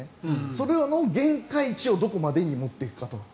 それの限界値をどこまでに持っていくかと。